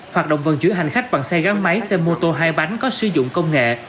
hoạt động vận chuyển hành khách bằng xe gắn máy xe mô tô hai bánh có sử dụng công nghệ